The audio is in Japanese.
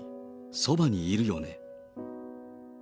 そばにいるよね？